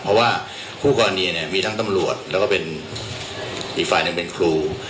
เพราะว่าคู่กรณีเนี่ยมีทั้งตำรวจแล้วก็เป็นอีกฝ่ายหนึ่งเป็นครู